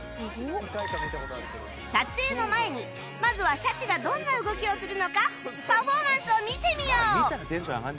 撮影の前にまずはシャチがどんな動きをするのかパフォーマンスを見てみよう